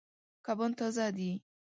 کبان تازه دي.